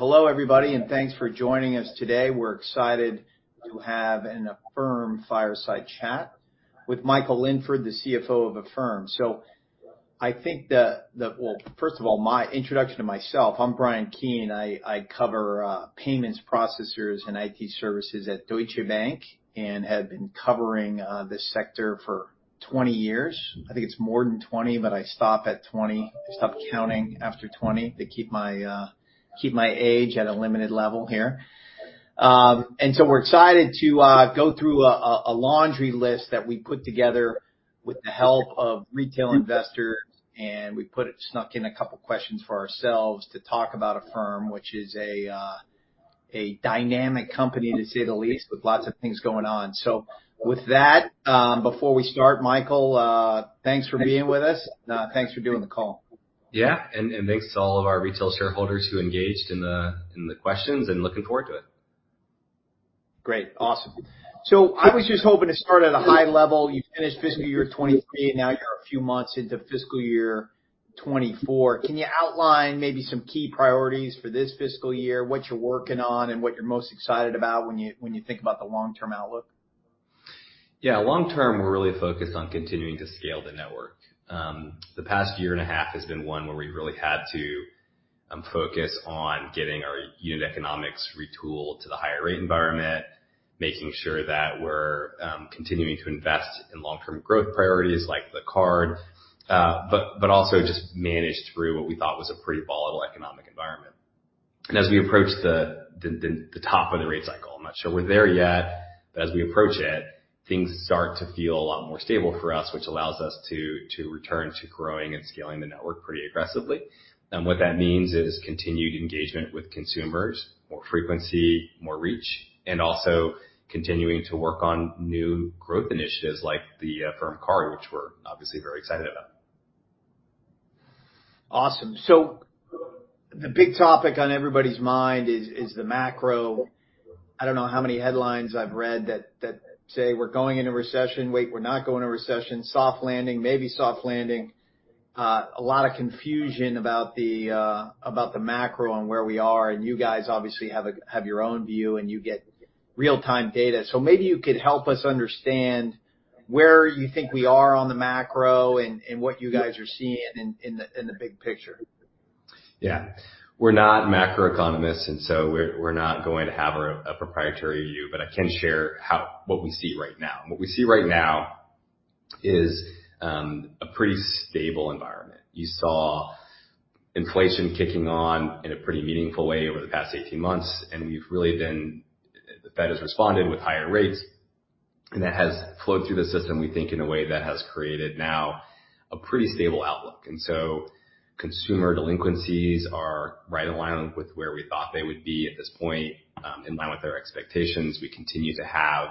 Hello, everybody, and thanks for joining us today. We're excited to have an Affirm fireside chat with Michael Linford, the CFO of Affirm. So I think. Well, first of all, my introduction to myself. I'm Bryan Keane. I cover payments, processors, and IT services at Deutsche Bank and have been covering this sector for 20 years. I think it's more than 20, but I stop at 20. I stop counting after 20 to keep my age at a limited level here. And so we're excited to go through a laundry list that we put together with the help of retail investors, and we put it snuck in a couple questions for ourselves to talk about Affirm, which is a dynamic company, to say the least, with lots of things going on. So with that, before we start, Michael, thanks for being with us. Now, thanks for doing the call. Yeah, and thanks to all of our retail shareholders who engaged in the questions, and looking forward to it. Great. Awesome. So I was just hoping to start at a high level. You finished fiscal year 2023, and now you're a few months into fiscal year 2024. Can you outline maybe some key priorities for this fiscal year, what you're working on and what you're most excited about when you, when you think about the long-term outlook? Yeah. Long term, we're really focused on continuing to scale the network. The past year and a half has been one where we've really had to focus on getting our unit economics retooled to the higher rate environment, making sure that we're continuing to invest in long-term growth priorities like the card, but also just manage through what we thought was a pretty volatile economic environment. And as we approach the top of the rate cycle, I'm not sure we're there yet, but as we approach it, things start to feel a lot more stable for us, which allows us to return to growing and scaling the network pretty aggressively. What that means is continued engagement with consumers, more frequency, more reach, and also continuing to work on new growth initiatives like the Affirm Card, which we're obviously very excited about. Awesome. So the big topic on everybody's mind is the macro. I don't know how many headlines I've read that say we're going into recession. Wait, we're not going to recession. Soft landing, maybe soft landing. A lot of confusion about the macro and where we are, and you guys obviously have your own view, and you get real-time data. So maybe you could help us understand where you think we are on the macro and what you guys are seeing in the big picture. Yeah. We're not macroeconomists, and so we're not going to have a proprietary view, but I can share what we see right now. And what we see right now is a pretty stable environment. You saw inflation kicking on in a pretty meaningful way over the past 18 months, and we've really been, the Fed has responded with higher rates, and that has flowed through the system, we think, in a way that has created now a pretty stable outlook. And so consumer delinquencies are right in line with where we thought they would be at this point. In line with our expectations, we continue to have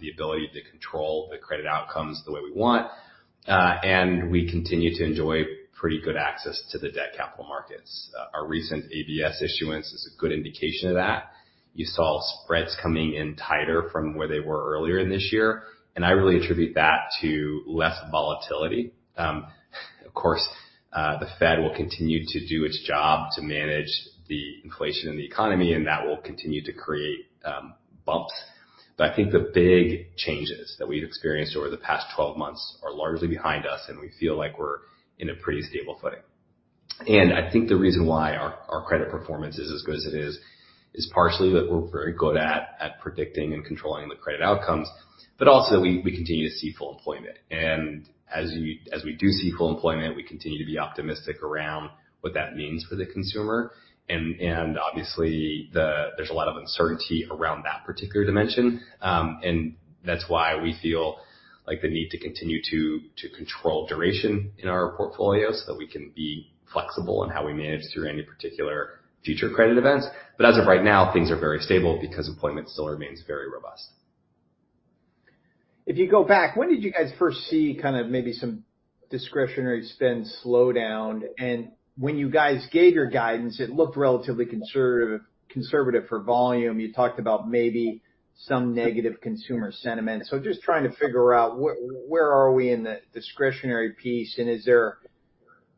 the ability to control the credit outcomes the way we want, and we continue to enjoy pretty good access to the debt capital markets. Our recent ABS issuance is a good indication of that. You saw spreads coming in tighter from where they were earlier in this year, and I really attribute that to less volatility. Of course, the Fed will continue to do its job to manage the inflation in the economy, and that will continue to create bumps. But I think the big changes that we've experienced over the past 12 months are largely behind us, and we feel like we're in a pretty stable footing. And I think the reason why our credit performance is as good as it is is partially that we're very good at predicting and controlling the credit outcomes, but also we continue to see full employment. And as we do see full employment, we continue to be optimistic around what that means for the consumer. And obviously there's a lot of uncertainty around that particular dimension. And that's why we feel like the need to continue to control duration in our portfolio, so that we can be flexible in how we manage through any particular future credit events. But as of right now, things are very stable because employment still remains very robust. If you go back, when did you guys first see kind of maybe some discretionary spend slow down? And when you guys gave your guidance, it looked relatively conservative, conservative for volume. You talked about maybe some negative consumer sentiment. So I'm just trying to figure out where, where are we in the discretionary piece, and is there...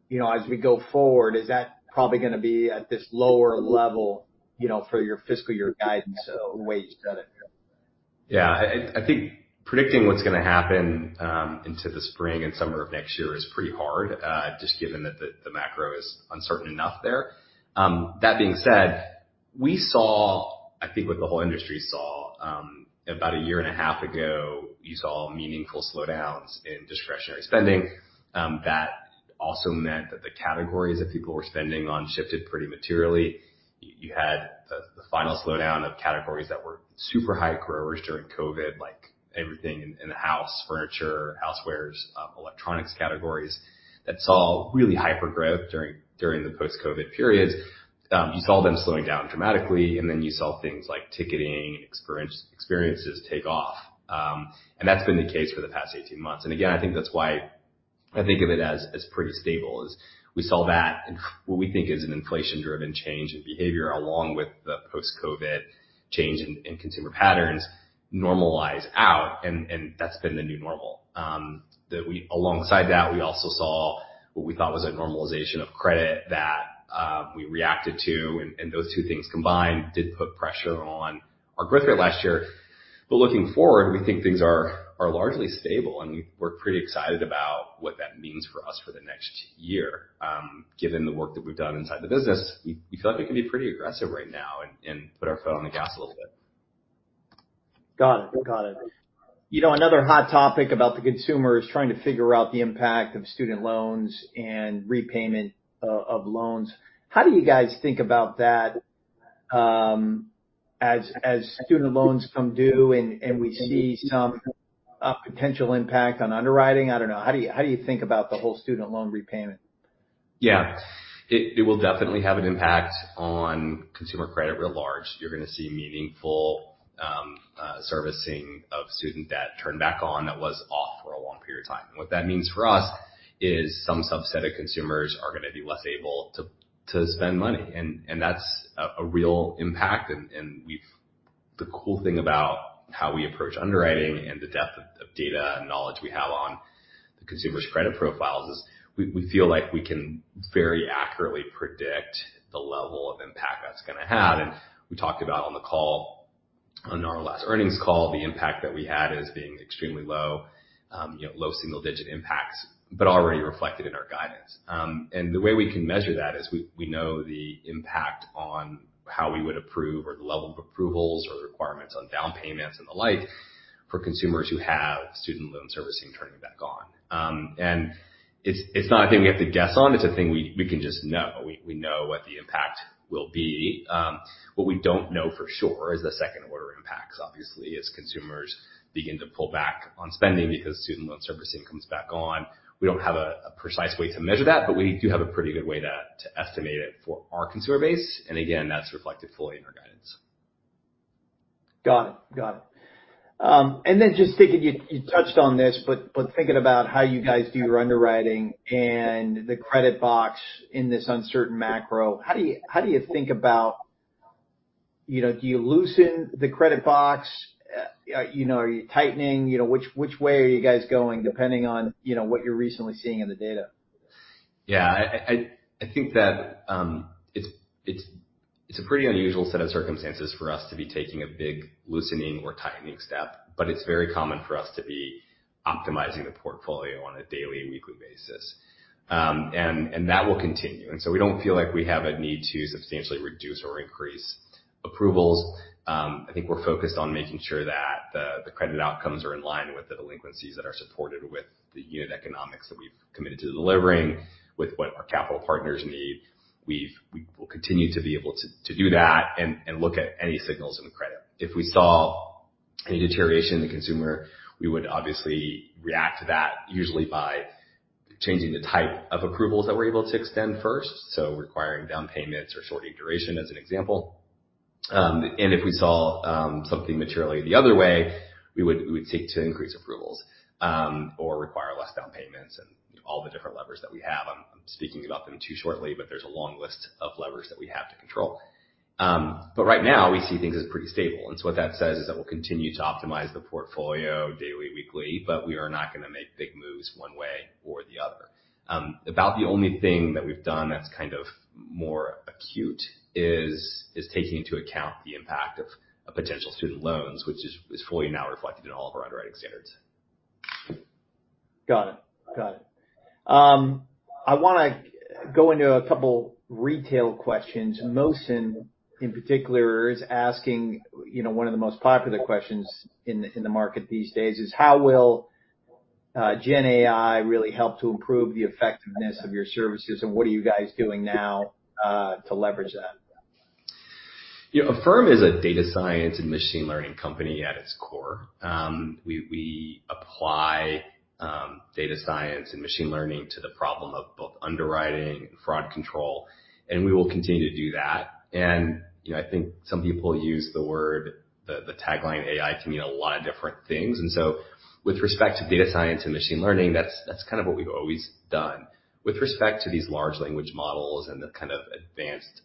You know, as we go forward, is that probably gonna be at this lower level, you know, for your fiscal year guidance the way you've done it? Yeah. I think predicting what's gonna happen into the spring and summer of next year is pretty hard, just given that the macro is uncertain enough there. That being said, we saw, I think, what the whole industry saw about a year and a half ago. You saw meaningful slowdowns in discretionary spending. That also meant that the categories that people were spending on shifted pretty materially. You had the final slowdown of categories that were super high growers during COVID, like everything in the house, furniture, housewares, electronics categories, that saw really hyper growth during the post-COVID periods. You saw them slowing down dramatically, and then you saw things like ticketing, experiences take off. And that's been the case for the past 18 months. I think that's why I think of it as pretty stable, as we saw that and what we think is an inflation-driven change in behavior, along with post-COVID change in consumer patterns normalize out, and that's been the new normal. That, alongside that, we also saw what we thought was a normalization of credit that we reacted to, and those two things combined did put pressure on our growth rate last year. But looking forward, we think things are largely stable, and we're pretty excited about what that means for us for the next year. Given the work that we've done inside the business, we feel like we can be pretty aggressive right now and put our foot on the gas a little bit. Got it. Got it. You know, another hot topic about the consumer is trying to figure out the impact of student loans and repayment of loans. How do you guys think about that, as student loans come due, and we see some potential impact on underwriting? I don't know. How do you think about the whole student loan repayment? Yeah. It will definitely have an impact on consumer credit writ large. You're going to see meaningful servicing of student debt turned back on that was off for a long period of time. And what that means for us is some subset of consumers are going to be less able to spend money. And that's a real impact, and we've... The cool thing about how we approach underwriting and the depth of data and knowledge we have on the consumer's credit profiles is we feel like we can very accurately predict the level of impact that's going to have. And we talked about on the call, on our last earnings call, the impact that we had as being extremely low, you know, low single digit impacts, but already reflected in our guidance. And the way we can measure that is we know the impact on how we would approve or the level of approvals or requirements on down payments and the like for consumers who have student loan servicing turning back on. And it's not a thing we have to guess on, it's a thing we can just know. We know what the impact will be. What we don't know for sure is the second order impacts. Obviously, as consumers begin to pull back on spending because student loan servicing comes back on. We don't have a precise way to measure that, but we do have a pretty good way to estimate it for our consumer base. And again, that's reflected fully in our guidance. Got it. Got it. And then just thinking, you, you touched on this, but, but thinking about how you guys do your underwriting and the credit box in this uncertain macro, how do you, how do you think about... You know, do you loosen the credit box? You know, are you tightening? You know, which, which way are you guys going, depending on, you know, what you're recently seeing in the data? Yeah. I think that it's a pretty unusual set of circumstances for us to be taking a big loosening or tightening step, but it's very common for us to be optimizing the portfolio on a daily and weekly basis. And that will continue. And so we don't feel like we have a need to substantially reduce or increase approvals. I think we're focused on making sure that the credit outcomes are in line with the delinquencies that are supported with the unit economics that we've committed to delivering, with what our capital partners need. We will continue to be able to do that and look at any signals in the credit. If we saw any deterioration in the consumer, we would obviously react to that, usually by changing the type of approvals that we're able to extend first, so requiring down payments or shortening duration, as an example. And if we saw something materially the other way, we would seek to increase approvals, or require less down payments and all the different levers that we have. I'm speaking about them too shortly, but there's a long list of levers that we have to control. But right now, we see things as pretty stable. And so what that says is that we'll continue to optimize the portfolio daily, weekly, but we are not going to make big moves one way or the other. About the only thing that we've done that's kind of more acute is taking into account the impact of potential student loans, which is fully now reflected in all of our underwriting standards. Got it. Got it. I want to go into a couple retail questions. Mohsin, in particular, is asking, you know, one of the most popular questions in the, in the market these days, is how will Gen AI really help to improve the effectiveness of your services, and what are you guys doing now to leverage that? You know, Affirm is a data science and machine learning company at its core. We apply data science and machine learning to the problem of both underwriting and fraud control, and we will continue to do that. And, you know, I think some people use the word... The tagline AI can mean a lot of different things. And so with respect to data science and machine learning, that's kind of what we've always done. With respect to these large language models and the kind of advanced,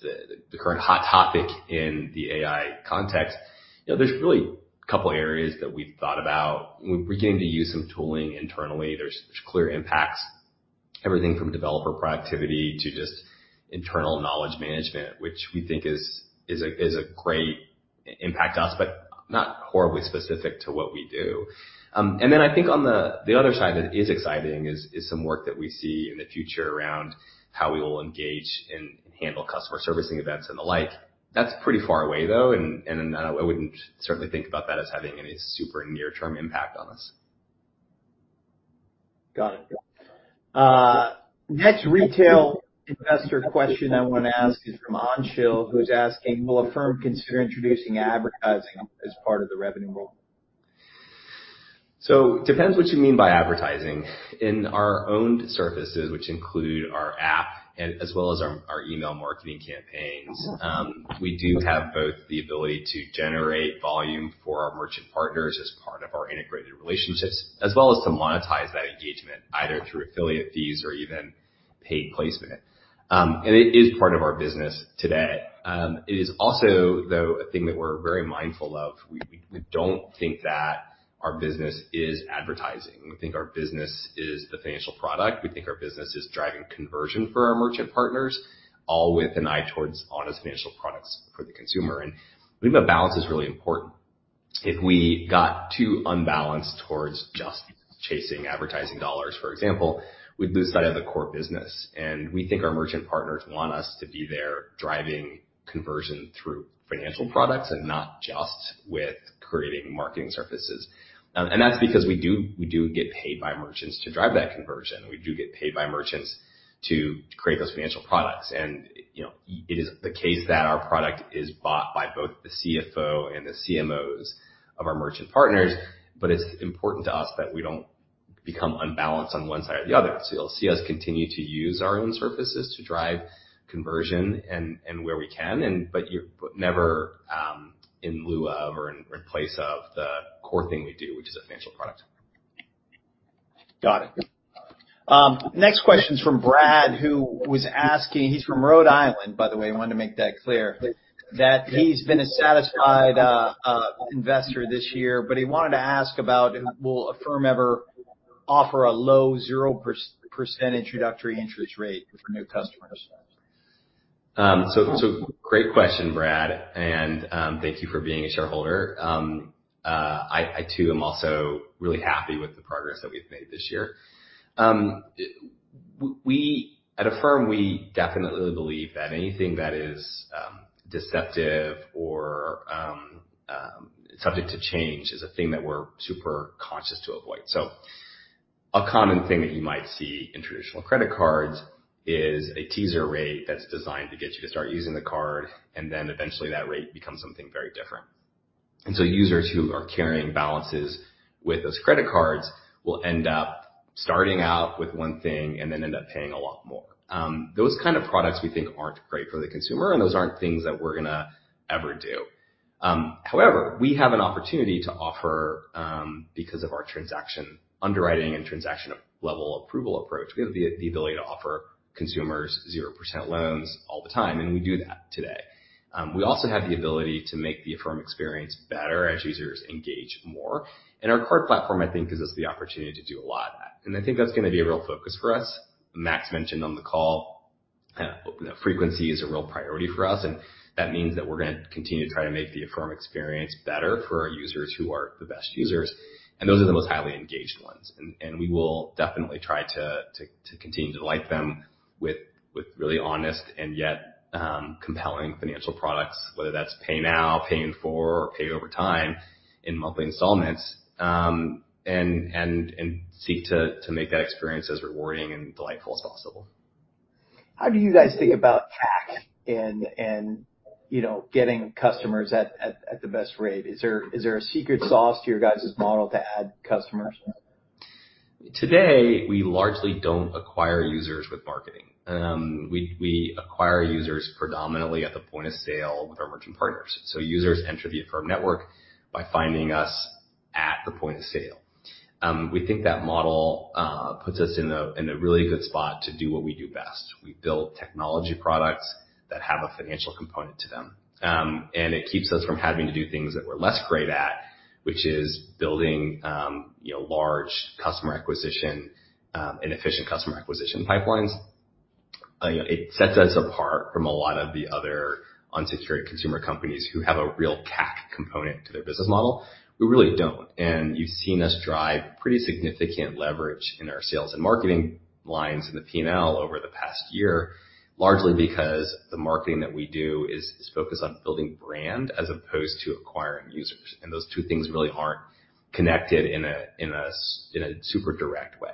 the current hot topic in the AI context, you know, there's really a couple areas that we've thought about. We're beginning to use some tooling internally. There's clear impacts, everything from developer productivity to just internal knowledge management, which we think is a great impact to us, but not horribly specific to what we do. And then I think on the other side that is exciting is some work that we see in the future around how we will engage and handle customer servicing events and the like. That's pretty far away, though, and I wouldn't certainly think about that as having any super near-term impact on us. Got it. Next retail investor question I want to ask is from Anshil, who's asking: Will Affirm consider introducing advertising as part of the revenue model? So depends what you mean by advertising. In our own services, which include our app and as well as our email marketing campaigns, we do have both the ability to generate volume for our merchant partners as part of our integrated relationships, as well as to monetize that engagement, either through affiliate fees or even paid placement. It is part of our business today. It is also, though, a thing that we're very mindful of. We don't think that our business is advertising. We think our business is the financial product. We think our business is driving conversion for our merchant partners, all with an eye towards honest financial products for the consumer, and we think that balance is really important. If we got too unbalanced towards just chasing advertising dollars, for example, we'd lose sight of the core business, and we think our merchant partners want us to be there driving conversion through financial products and not just with creating marketing surfaces. And that's because we do, we do get paid by merchants to drive that conversion. We do get paid by merchants to create those financial products, and, you know, it is the case that our product is bought by both the CFO and the CMOs of our merchant partners, but it's important to us that we don't become unbalanced on one side or the other. So you'll see us continue to use our own surfaces to drive conversion and where we can, but never in lieu of or in place of the core thing we do, which is a financial product. Got it. Next question is from Brad, who was asking. He's from Rhode Island, by the way, wanted to make that clear. That he's been a satisfied investor this year, but he wanted to ask about, "Will Affirm ever offer a low 0% introductory interest rate for new customers? So great question, Brad, and thank you for being a shareholder. I too am also really happy with the progress that we've made this year. At Affirm, we definitely believe that anything that is deceptive or subject to change is a thing that we're super conscious to avoid. So a common thing that you might see in traditional credit cards is a teaser rate that's designed to get you to start using the card, and then eventually that rate becomes something very different. And so users who are carrying balances with those credit cards will end up starting out with one thing and then end up paying a lot more. Those kind of products we think aren't great for the consumer, and those aren't things that we're gonna ever do. However, we have an opportunity to offer, because of our transaction underwriting and transaction-level approval approach, we have the ability to offer consumers 0% loans all the time, and we do that today. We also have the ability to make the Affirm experience better as users engage more. Our card platform, I think, gives us the opportunity to do a lot of that, and I think that's gonna be a real focus for us. Max mentioned on the call, you know, frequency is a real priority for us, and that means that we're gonna continue to try to make the Affirm experience better for our users who are the best users, and those are the most highly engaged ones. And we will definitely try to continue to delight them with really honest and yet, compelling financial products, whether that's Pay Now, Pay in 4, or Pay Over Time in monthly installments, and seek to make that experience as rewarding and delightful as possible. How do you guys think about CAC and, you know, getting customers at the best rate? Is there a secret sauce to your guys' model to add customers? Today, we largely don't acquire users with marketing. We acquire users predominantly at the point of sale with our merchant partners. So users enter the Affirm network by finding us at the point of sale. We think that model puts us in a really good spot to do what we do best. We build technology products that have a financial component to them. And it keeps us from having to do things that we're less great at, which is building, you know, large customer acquisition and efficient customer acquisition pipelines. You know, it sets us apart from a lot of the other unsecured consumer companies who have a real CAC component to their business model. We really don't. You've seen us drive pretty significant leverage in our sales and marketing lines in the P&L over the past year, largely because the marketing that we do is focused on building brand as opposed to acquiring users. Those two things really aren't connected in a super direct way.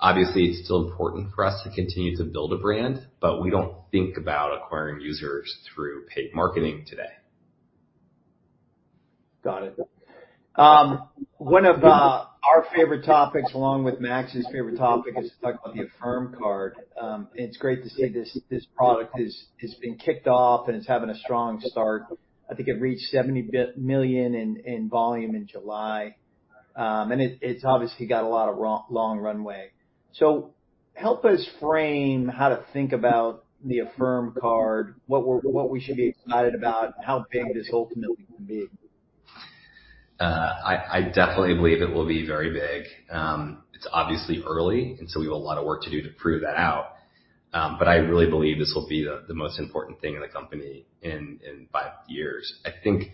Obviously, it's still important for us to continue to build a brand, but we don't think about acquiring users through paid marketing today. Got it. One of our favorite topics, along with Max's favorite topic, is to talk about the Affirm Card. And it's great to see this product has been kicked off and it's having a strong start. I think it reached $70 million in volume in July. And it obviously got a lot of long runway. So help us frame how to think about the Affirm Card, what we should be excited about, how big this ultimately can be. I definitely believe it will be very big. It's obviously early, and so we have a lot of work to do to prove that out. But I really believe this will be the most important thing in the company in five years. I think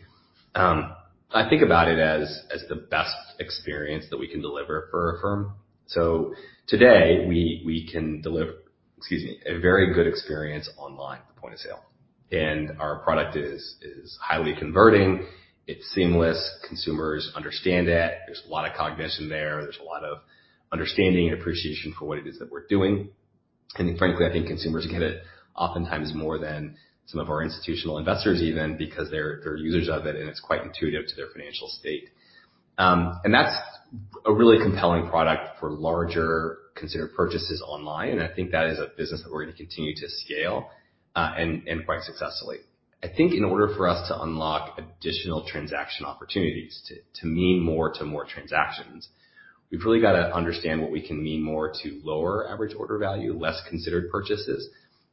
I think about it as the best experience that we can deliver for Affirm. So today, we can deliver, excuse me, a very good experience online at the point of sale. And our product is highly converting. It's seamless. Consumers understand it. There's a lot of cognition there. There's a lot of understanding and appreciation for what it is that we're doing. And frankly, I think consumers get it oftentimes more than some of our institutional investors, even, because they're users of it, and it's quite intuitive to their financial state. That's a really compelling product for larger considered purchases online, and I think that is a business that we're going to continue to scale... and quite successfully. I think in order for us to unlock additional transaction opportunities, to mean more to more transactions, we've really got to understand what we can mean more to lower average order value, less considered purchases,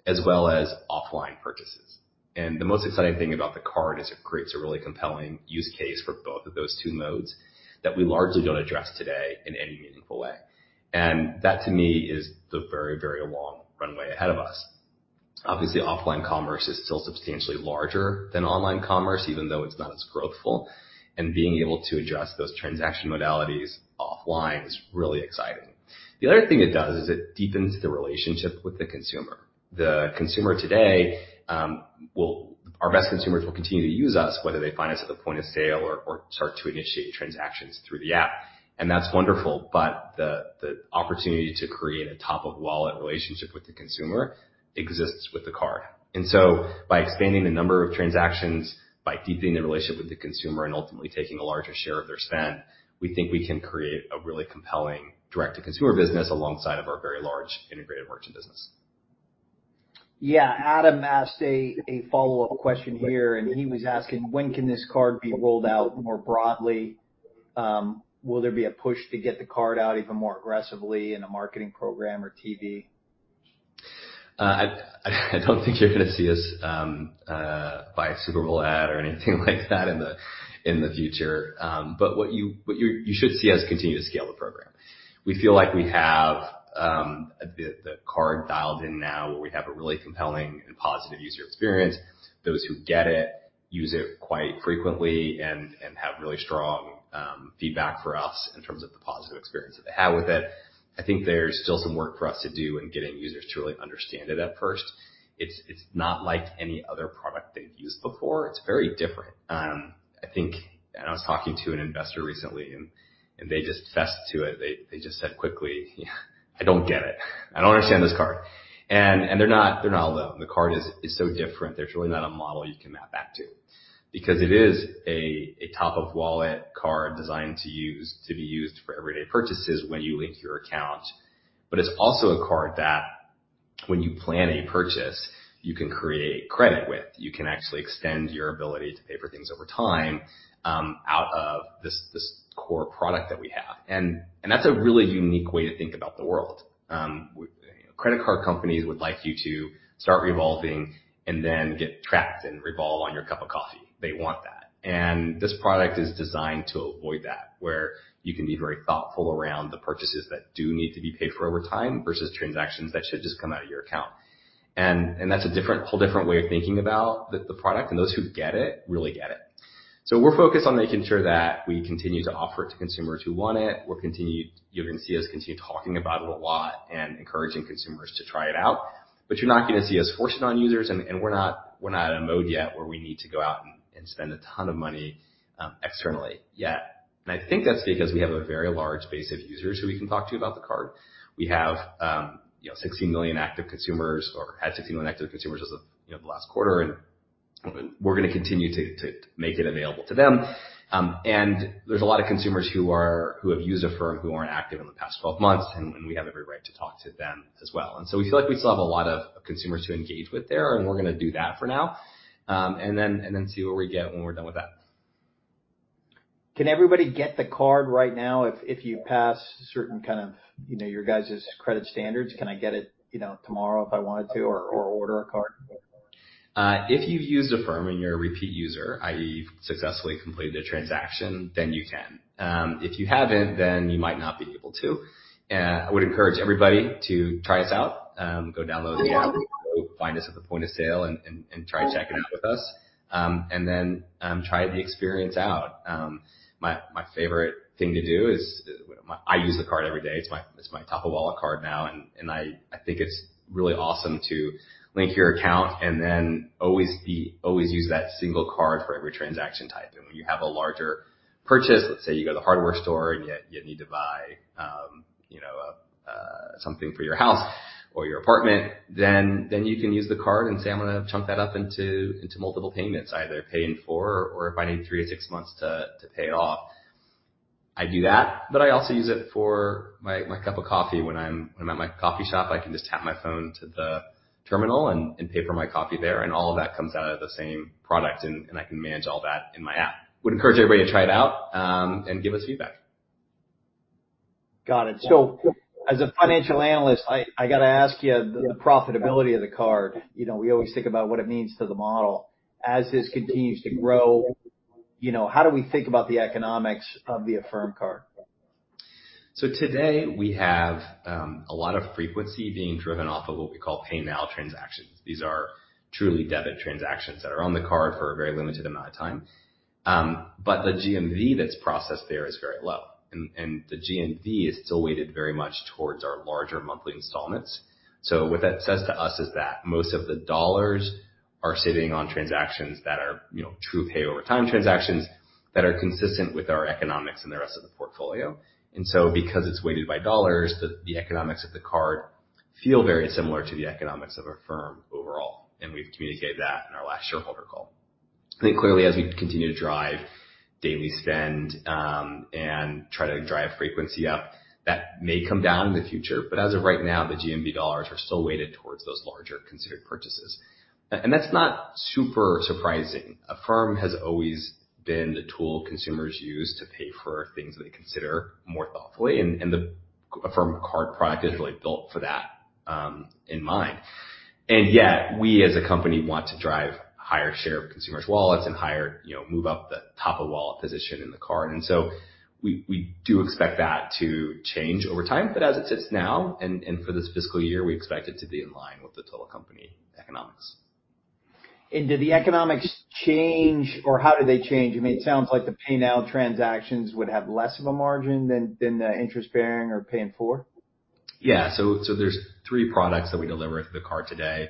as well as offline purchases. And the most exciting thing about the card is it creates a really compelling use case for both of those two modes that we largely don't address today in any meaningful way. And that, to me, is the very, very long runway ahead of us. Obviously, offline commerce is still substantially larger than online commerce, even though it's not as growthful, and being able to address those transaction modalities offline is really exciting. The other thing it does is it deepens the relationship with the consumer. The consumer today, our best consumers will continue to use us, whether they find us at the point of sale or start to initiate transactions through the app, and that's wonderful. But the opportunity to create a top-of-wallet relationship with the consumer exists with the card. And so by expanding the number of transactions, by deepening the relationship with the consumer and ultimately taking a larger share of their spend, we think we can create a really compelling direct-to-consumer business alongside of our very large integrated merchant business. Yeah. Adam asked a follow-up question here, and he was asking: When can this card be rolled out more broadly? Will there be a push to get the card out even more aggressively in a marketing program or TV? I don't think you're going to see us buy a Super Bowl ad or anything like that in the future. But you should see us continue to scale the program. We feel like we have the card dialed in now, where we have a really compelling and positive user experience. Those who get it use it quite frequently and have really strong feedback for us in terms of the positive experience that they had with it. I think there's still some work for us to do in getting users to really understand it at first. It's not like any other product they've used before. It's very different. I think... And I was talking to an investor recently, and they just fessed to it. They just said quickly, "I don't get it. I don't understand this card." And they're not alone. The card is so different. There's really not a model you can map back to because it is a top-of-wallet card designed to be used for everyday purchases when you link your account. But it's also a card that when you plan a purchase, you can create credit with. You can actually extend your ability to pay for things over time out of this core product that we have. And that's a really unique way to think about the world. You know, credit card companies would like you to start revolving and then get trapped and revolve on your cup of coffee. They want that. And this product is designed to avoid that, where you can be very thoughtful around the purchases that do need to be paid for over time versus transactions that should just come out of your account. And that's a different, whole different way of thinking about the, the product, and those who get it, really get it. So we're focused on making sure that we continue to offer it to consumers who want it. You're going to see us continue talking about it a lot and encouraging consumers to try it out, but you're not going to see us force it on users, and we're not in a mode yet where we need to go out and spend a ton of money externally yet. And I think that's because we have a very large base of users who we can talk to about the card. We have, you know, 16 million active consumers or had 16 million active consumers as of, you know, the last quarter, and we're going to continue to make it available to them. And there's a lot of consumers who have used Affirm, who aren't active in the past 12 months, and we have every right to talk to them as well. And so we feel like we still have a lot of consumers to engage with there, and we're going to do that for now, and then see where we get when we're done with that. Can everybody get the card right now if you pass certain kind of, you know, your guys' credit standards? Can I get it, you know, tomorrow if I wanted to, or order a card? If you've used Affirm and you're a repeat user, i.e., you've successfully completed a transaction, then you can. If you haven't, then you might not be able to. I would encourage everybody to try us out, go download the app, find us at the point of sale, and try checking out with us. And then, try the experience out. My favorite thing to do is... I use the card every day. It's my top-of-wallet card now, and I think it's really awesome to link your account and then always use that single card for every transaction type. When you have a larger purchase, let's say you go to the hardware store and you need to buy, you know, something for your house or your apartment, then you can use the card and say, "I'm going to chunk that up into multiple payments, either Pay in 4, or if I need three to six months to pay it off." I do that, but I also use it for my cup of coffee. When I'm at my coffee shop, I can just tap my phone to the terminal and pay for my coffee there, and all of that comes out of the same product, and I can manage all that in my app. I would encourage everybody to try it out, and give us feedback. Got it. So as a financial analyst, I got to ask you the profitability of the card. You know, we always think about what it means to the model. As this continues to grow, you know, how do we think about the economics of the Affirm Card? So today, we have a lot of frequency being driven off of what we call pay now transactions. These are truly debit transactions that are on the card for a very limited amount of time. But the GMV that's processed there is very low, and the GMV is still weighted very much towards our larger monthly installments. So what that says to us is that most of the dollars are sitting on transactions that are, you know, true pay over time transactions, that are consistent with our economics and the rest of the portfolio. And so because it's weighted by dollars, the economics of the card feel very similar to the economics of Affirm overall, and we've communicated that in our last shareholder call.... I think clearly, as we continue to drive daily spend, and try to drive frequency up, that may come down in the future. But as of right now, the GMV dollars are still weighted towards those larger considered purchases. And that's not super surprising. Affirm has always been the tool consumers use to pay for things they consider more thoughtfully, and the Affirm Card product is really built for that, in mind. And yet, we, as a company, want to drive higher share of consumers' wallets and higher, you know, move up the top-of-wallet position in the card. And so we do expect that to change over time, but as it sits now, and for this fiscal year, we expect it to be in line with the total company economics. Do the economics change, or how do they change? I mean, it sounds like the Pay Now transactions would have less of a margin than the interest-bearing or Pay in 4. Yeah. So, there's three products that we deliver with the card today.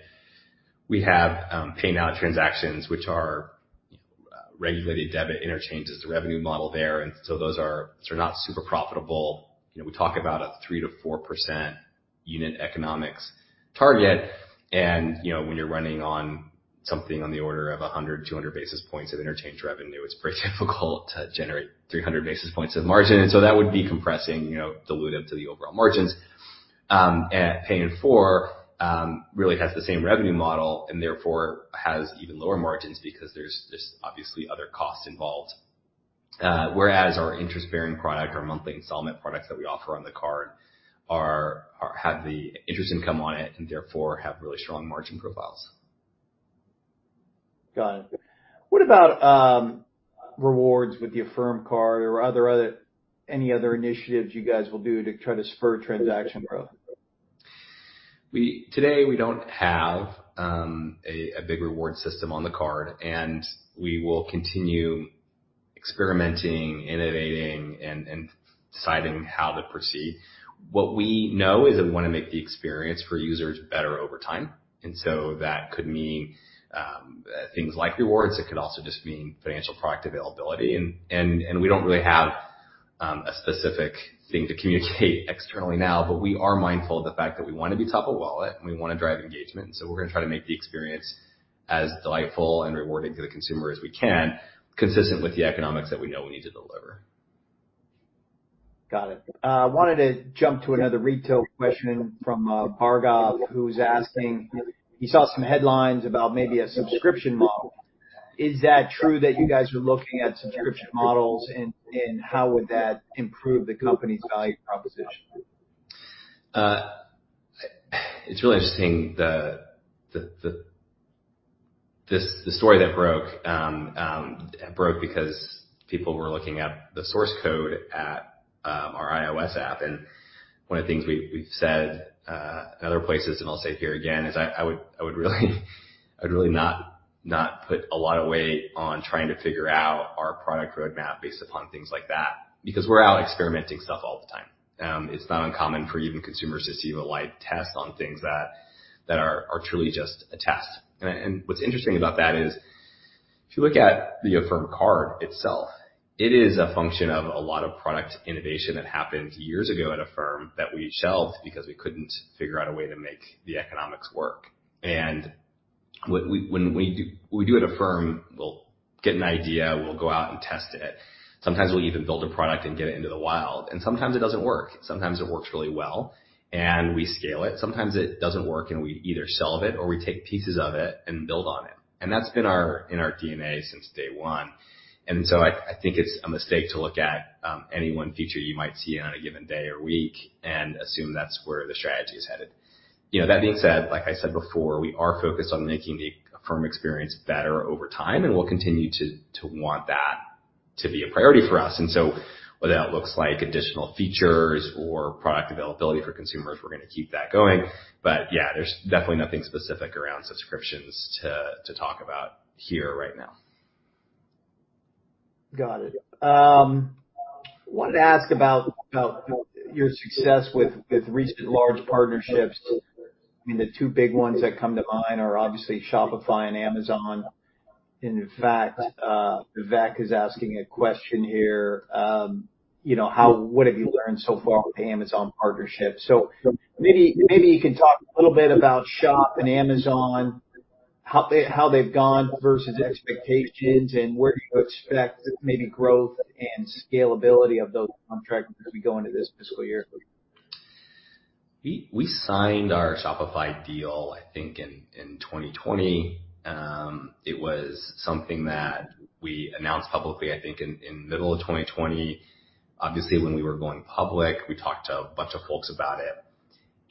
We have Pay Now transactions, which are, you know, regulated debit interchange as the revenue model there, and so those are those are not super profitable. You know, we talk about a 3%-4% unit economics target, and, you know, when you're running on something on the order of 100-200 basis points of interchange revenue, it's pretty difficult to generate 300 basis points of margin. And so that would be compressing, you know, dilutive to the overall margins. And Pay in 4 really has the same revenue model and therefore has even lower margins because there's, there's obviously other costs involved. Whereas our interest-bearing product, our monthly installment products that we offer on the card are have the interest income on it and therefore have really strong margin profiles. Got it. What about rewards with the Affirm Card or any other initiatives you guys will do to try to spur transaction growth? Today, we don't have a big reward system on the card, and we will continue experimenting, innovating, and deciding how to proceed. What we know is that we want to make the experience for users better over time, and so that could mean things like rewards. It could also just mean financial product availability. And we don't really have a specific thing to communicate externally now, but we are mindful of the fact that we want to be top of wallet, and we want to drive engagement, so we're going to try to make the experience as delightful and rewarding to the consumer as we can, consistent with the economics that we know we need to deliver. Got it. I wanted to jump to another retail question from, Bhargav, who's asking, he saw some headlines about maybe a subscription model. Is that true that you guys are looking at subscription models, and, and how would that improve the company's value proposition? It's really interesting, this story that broke. It broke because people were looking at the source code at our iOS app, and one of the things we've said in other places, and I'll say it here again, is I would really not put a lot of weight on trying to figure out our product roadmap based upon things like that, because we're out experimenting stuff all the time. It's not uncommon for even consumers to see a live test on things that are truly just a test. And what's interesting about that is, if you look at the Affirm Card itself, it is a function of a lot of product innovation that happened years ago at Affirm that we shelved because we couldn't figure out a way to make the economics work. And what we do at Affirm, we'll get an idea, we'll go out and test it. Sometimes we'll even build a product and get it into the wild, and sometimes it doesn't work. Sometimes it works really well, and we scale it. Sometimes it doesn't work, and we either shelve it or we take pieces of it and build on it. And that's been in our DNA since day one. And so I think it's a mistake to look at, any one feature you might see on a given day or week and assume that's where the strategy is headed. You know, that being said, like I said before, we are focused on making the Affirm experience better over time, and we'll continue to want that to be a priority for us. And so whether that looks like additional features or product availability for consumers, we're gonna keep that going. But, yeah, there's definitely nothing specific around subscriptions to talk about here right now. Got it. Wanted to ask about, about your success with, with recent large partnerships. I mean, the two big ones that come to mind are obviously Shopify and Amazon. In fact, Vivek is asking a question here, you know: What have you learned so far with the Amazon partnership? So maybe, maybe you could talk a little bit about Shopify and Amazon, how they, how they've gone versus expectations, and where do you expect maybe growth and scalability of those contracts as we go into this fiscal year? We signed our Shopify deal, I think, in 2020. It was something that we announced publicly, I think, in the middle of 2020. Obviously, when we were going public, we talked to a bunch of folks about it.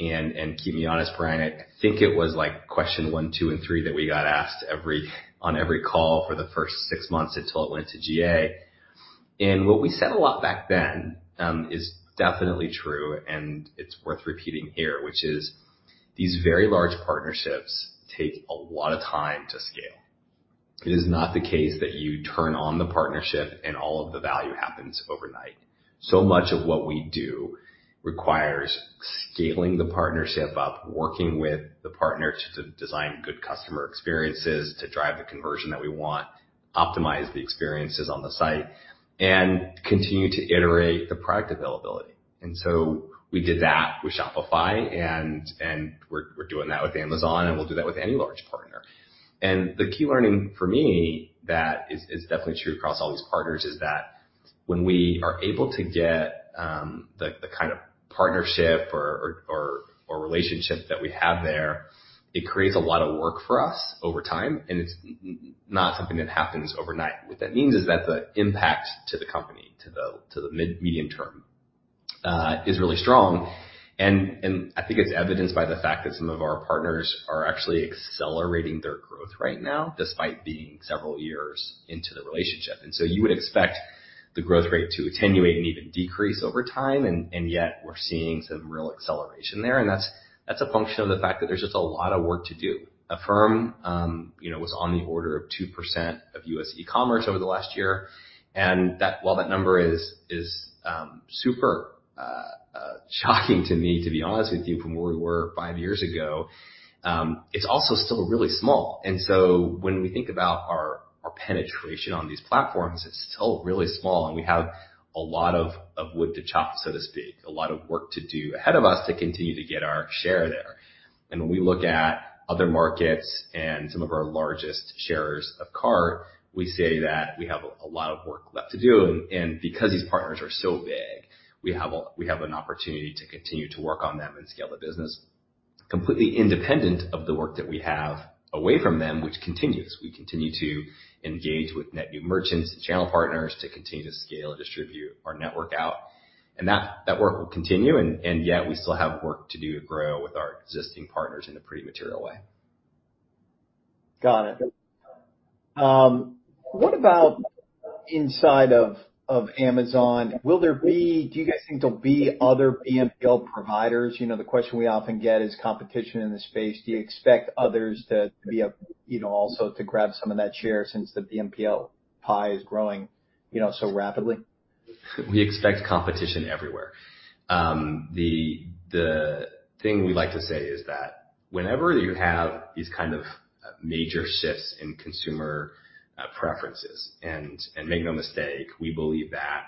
And keep me honest, Bryan, I think it was like question one, two, and three that we got asked every on every call for the first six months until it went to GA. And what we said a lot back then is definitely true, and it's worth repeating here, which is these very large partnerships take a lot of time to scale. It is not the case that you turn on the partnership, and all of the value happens overnight. So much of what we do requires scaling the partnership up, working with the partner to design good customer experiences, to drive the conversion that we want, optimize the experiences on the site, and continue to iterate the product availability. And so we did that with Shopify, and we're doing that with Amazon, and we'll do that with any large partner. And the key learning for me that is definitely true across all these partners is that when we are able to get the kind of partnership or relationship that we have there, it creates a lot of work for us over time, and it's not something that happens overnight. What that means is that the impact to the company, to the medium term, is really strong. And I think it's evidenced by the fact that some of our partners are actually accelerating their growth right now, despite being several years into the relationship. And so you would expect the growth rate to attenuate and even decrease over time, and yet we're seeing some real acceleration there. And that's a function of the fact that there's just a lot of work to do. Affirm, you know, was on the order of 2% of U.S. e-commerce over the last year, and that, while that number is super shocking to me, to be honest with you, from where we were five years ago, it's also still really small. And so when we think about our penetration on these platforms, it's still really small, and we have a lot of wood to chop, so to speak, a lot of work to do ahead of us to continue to get our share there. And when we look at other markets and some of our largest share of cart, we say that we have a lot of work left to do, and because these partners are so big, we have an opportunity to continue to work on them and scale the business completely independent of the work that we have away from them, which continues. We continue to engage with net new merchants and channel partners to continue to scale and distribute our network out, and that work will continue, and yet we still have work to do to grow with our existing partners in a pretty material way. Got it. What about inside of Amazon? Will there be... Do you guys think there'll be other BNPL providers? You know, the question we often get is competition in the space. Do you expect others to be up, you know, also to grab some of that share since the BNPL pie is growing, you know, so rapidly? We expect competition everywhere. The thing we like to say is that whenever you have these kind of major shifts in consumer preferences, and make no mistake, we believe that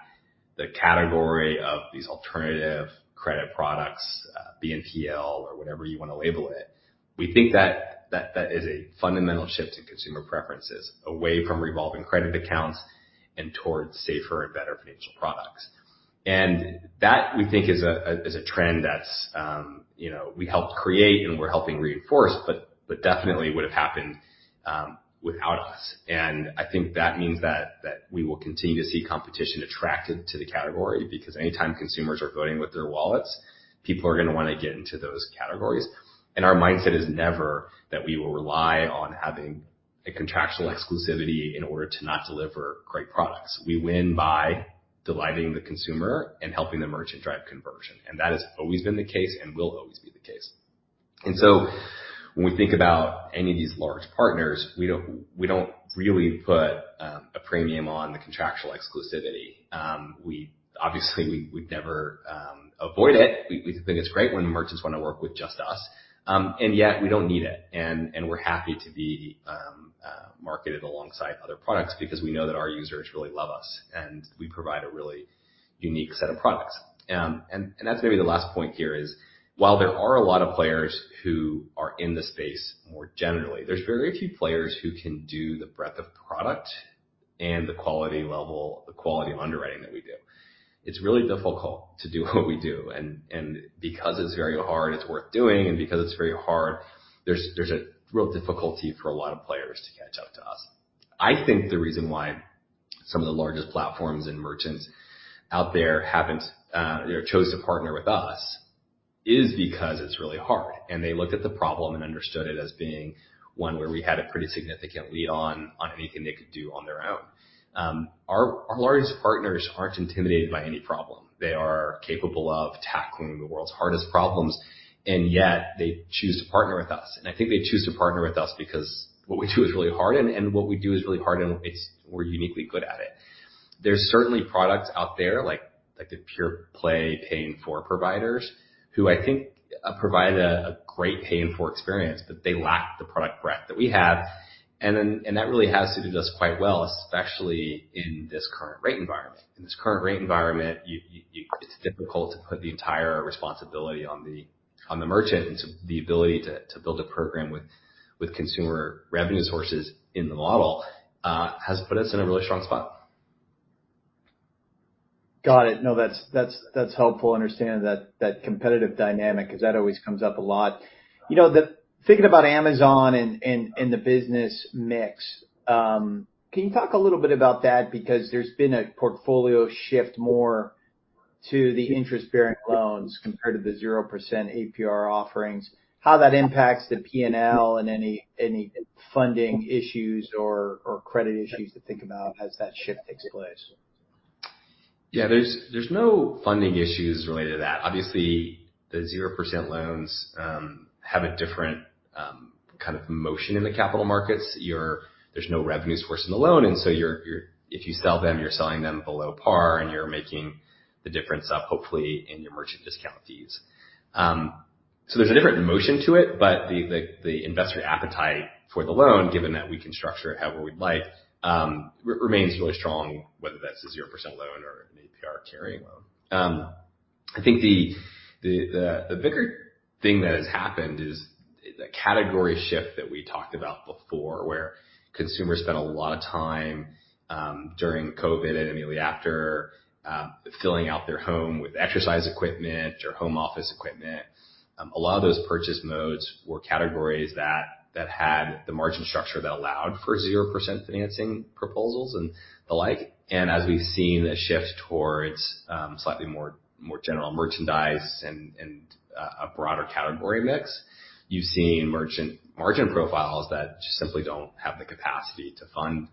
the category of these alternative credit products, BNPL or whatever you want to label it, we think that that is a fundamental shift in consumer preferences, away from revolving credit accounts and towards safer and better financial products. And that, we think, is a trend that's, you know, we helped create and we're helping reinforce, but definitely would have happened without us. And I think that means that we will continue to see competition attracted to the category, because anytime consumers are voting with their wallets, people are gonna want to get into those categories. Our mindset is never that we will rely on having a contractual exclusivity in order to not deliver great products. We win by delighting the consumer and helping the merchant drive conversion, and that has always been the case and will always be the case. So when we think about any of these large partners, we don't, we don't really put a premium on the contractual exclusivity. Obviously, we'd never avoid it. We think it's great when the merchants want to work with just us, and yet we don't need it, and we're happy to be marketed alongside other products because we know that our users really love us, and we provide a really unique set of products. And that's maybe the last point here, is while there are a lot of players who are in the space more generally, there's very few players who can do the breadth of product and the quality level, the quality of underwriting that we do. It's really difficult to do what we do, and because it's very hard, it's worth doing, and because it's very hard, there's a real difficulty for a lot of players to catch up to us. I think the reason why some of the largest platforms and merchants out there haven't, you know, chose to partner with us is because it's really hard, and they looked at the problem and understood it as being one where we had a pretty significant lead on anything they could do on their own. Our largest partners aren't intimidated by any problem. They are capable of tackling the world's hardest problems, and yet they choose to partner with us. And I think they choose to partner with us because what we do is really hard, and we're uniquely good at it. There's certainly products out there, like, like, the pure play pay-in-four providers, who I think provide a great pay-in-four experience, but they lack the product breadth that we have. And that really has suited us quite well, especially in this current rate environment. In this current rate environment, it's difficult to put the entire responsibility on the merchant and the ability to build a program with consumer revenue sources in the model has put us in a really strong spot. Got it. No, that's helpful to understand that competitive dynamic, because that always comes up a lot. You know, thinking about Amazon and the business mix, can you talk a little bit about that? Because there's been a portfolio shift more to the interest-bearing loans compared to the 0% APR offerings, how that impacts the P&L and any funding issues or credit issues to think about as that shift takes place. Yeah, there's no funding issues related to that. Obviously, the 0% loans have a different kind of motion in the capital markets. There's no revenue source in the loan, and so if you sell them, you're selling them below par, and you're making the difference up, hopefully, in your merchant discount fees. So there's a different motion to it, but the investor appetite for the loan, given that we can structure it how we'd like, remains really strong, whether that's a 0% loan or an APR carry loan. I think the bigger thing that has happened is the category shift that we talked about before, where consumers spent a lot of time during COVID and immediately after filling out their home with exercise equipment or home office equipment. A lot of those purchase modes were categories that had the margin structure that allowed for 0% financing proposals and the like. And as we've seen a shift towards slightly more general merchandise and a broader category mix, you've seen merchant margin profiles that just simply don't have the capacity to fund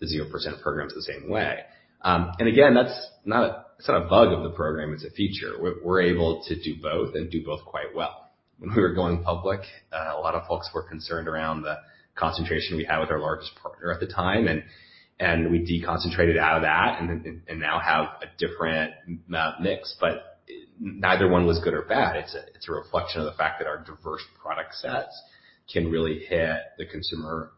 the 0% programs the same way. And again, that's not a bug of the program, it's a feature. We're able to do both and do both quite well. When we were going public, a lot of folks were concerned around the concentration we had with our largest partner at the time, and we deconcentrated out of that and now have a different mix, but neither one was good or bad. It's a reflection of the fact that our diverse product sets can really hit the consumer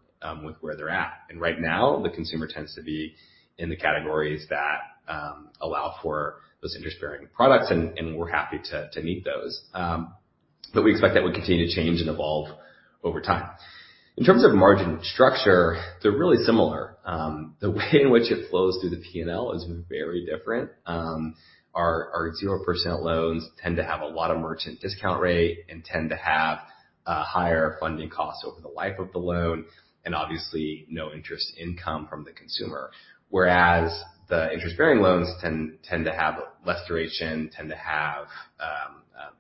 with where they're at. And right now, the consumer tends to be in the categories that allow for those interest-bearing products, and we're happy to meet those. But we expect that will continue to change and evolve over time. In terms of margin structure, they're really similar. The way in which it flows through the P&L is very different. Our 0% loans tend to have a lot of merchant discount rate and tend to have a higher funding cost over the life of the loan, and obviously, no interest income from the consumer. Whereas the interest-bearing loans tend to have less duration, tend to have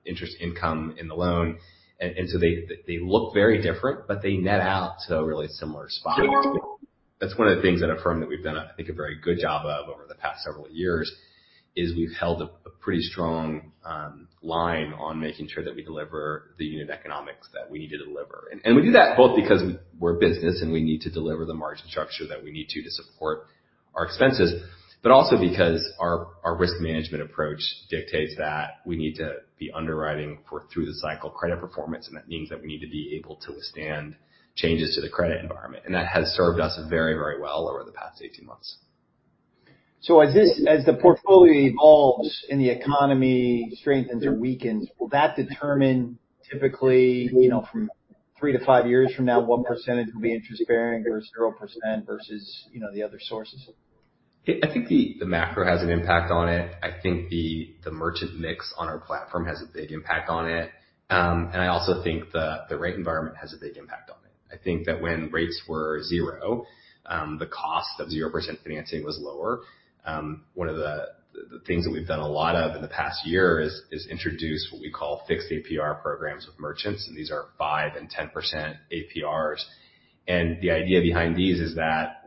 interest income in the loan, and so they look very different, but they net out to a really similar spot. That's one of the things at Affirm that we've done, I think, a very good job of over the past several years, is we've held a pretty strong line on making sure that we deliver the unit economics that we need to deliver. We do that both because we're a business, and we need to deliver the margin structure that we need to, to support our expenses, but also because our risk management approach dictates that we need to be underwriting for through-the-cycle credit performance, and that means that we need to be able to withstand changes to the credit environment, and that has served us very, very well over the past 18 months. So as the portfolio evolves and the economy strengthens or weakens, will that determine typically, you know, from three to five years from now, what percentage will be interest-bearing versus 0% versus, you know, the other sources? I think the macro has an impact on it. I think the merchant mix on our platform has a big impact on it. And I also think the rate environment has a big impact on it. I think that when rates were 0%, the cost of 0% financing was lower. One of the things that we've done a lot of in the past year is introduce what we call fixed APR programs with merchants, and these are 5% and 10% APRs. And the idea behind these is that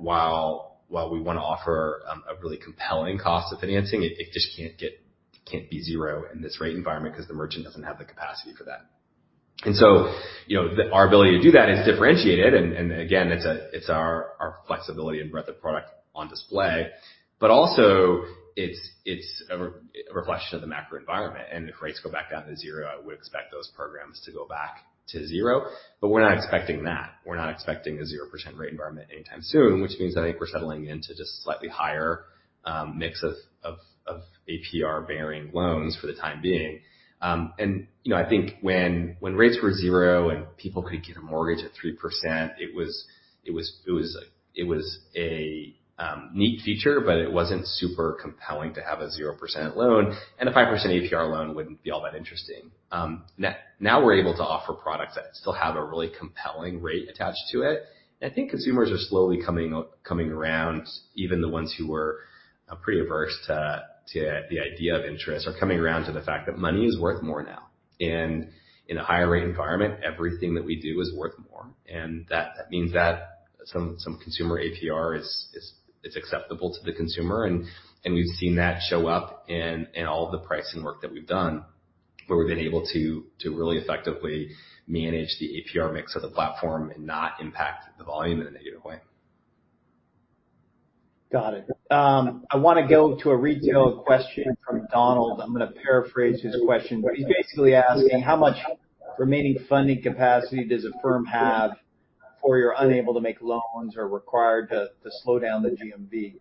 while we want to offer a really compelling cost of financing, it just can't get... It can't be 0% in this rate environment because the merchant doesn't have the capacity for that. And so, you know, our ability to do that is differentiated, and again, it's our flexibility and breadth of product on display, but also it's a reflection of the macro environment, and if rates go back down to 0%, I would expect those programs to go back to 0%. But we're not expecting that. We're not expecting a 0% rate environment anytime soon, which means I think we're settling into just a slightly higher mix of APR-bearing loans for the time being. And, you know, I think when rates were 0% and people could get a mortgage at 3%, it was a neat feature, but it wasn't super compelling to have a 0% loan, and a 5% APR loan wouldn't be all that interesting. Now, now we're able to offer products that still have a really compelling rate attached to it. I think consumers are slowly coming around, even the ones who were pretty averse to the idea of interest, are coming around to the fact that money is worth more now. And in a higher rate environment, everything that we do is worth more, and that means that some consumer APR is acceptable to the consumer, and we've seen that show up in all of the pricing work that we've done, where we've been able to really effectively manage the APR mix of the platform and not impact the volume in a negative way. Got it. I wanna go to a retail question from Donald. I'm gonna paraphrase his question, but he's basically asking: How much remaining funding capacity does Affirm have before you're unable to make loans or required to slow down the GMV?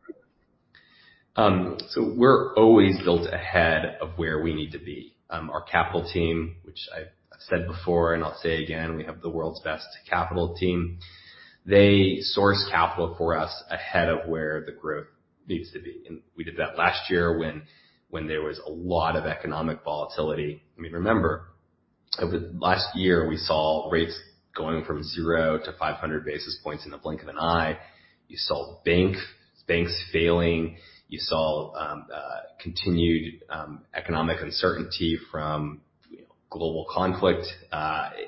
So we're always built ahead of where we need to be. Our capital team, which I've said before and I'll say again, we have the world's best capital team. They source capital for us ahead of where the growth needs to be, and we did that last year when there was a lot of economic volatility. I mean, remember, over the last year, we saw rates going from 0 to 500 basis points in the blink of an eye. You saw banks failing. You saw continued economic uncertainty from, you know, global conflict.